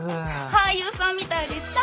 俳優さんみたいでした！